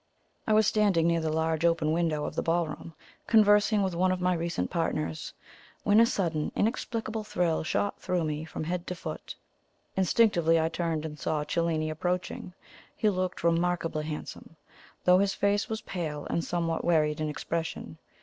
I was standing near the large open window of the ballroom, conversing with one of my recent partners, when a sudden inexplicable thrill shot through me from head to foot. Instinctively I turned, and saw Cellini approaching. He looked remarkably handsome, though his face was pale and somewhat wearied in expression.